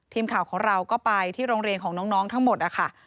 ทีมข่าวของเราก็ไปที่โรงเรียนของน้องทั้งหมดนะคะ